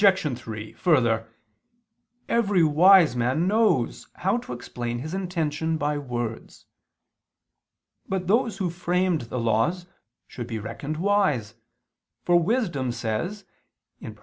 3: Further, every wise man knows how to explain his intention by words. But those who framed the laws should be reckoned wise: for Wisdom says (Prov.